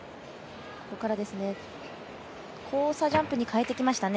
交差ジャンプに変えてきましたね。